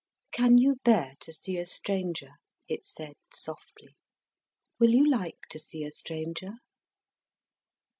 "Can you bear to see a stranger?" it said softly. "Will you like to see a stranger?"